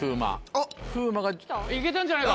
あっ。